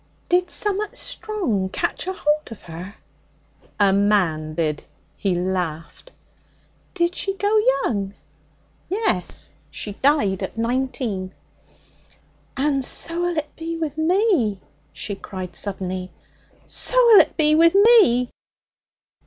'Did summat strong catch a holt of her?' 'A man did.' He laughed. 'Did she go young?' 'Yes, she died at nineteen.' 'And so'll it be with me!' she cried suddenly. 'So'll it be with me!